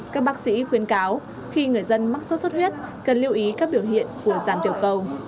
các bác sĩ khuyên cáo khi người dân mắc sốt xuất huyết cần lưu ý các biểu hiện của giảm tiểu cầu